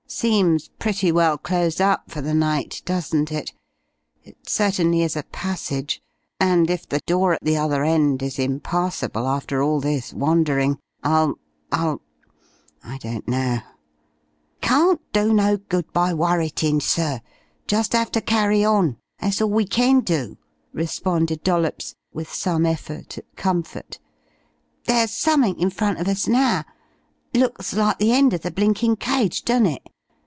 Seems pretty well closed up for the night, doesn't it? It certainly is a passage and if the door at the other end is impassable after all this wandering, I'll, I'll I don't know." "Carn't do no good by worritin', sir. Just 'ave to carry on that's all we kin do," responded Dollops, with some effort at comfort. "There's summink in front of us now. Looks like the end of the blinkin' cage, don't it?